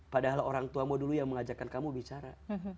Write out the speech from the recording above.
padahal orang tuamu dulu yang mengajarkan kamu bicara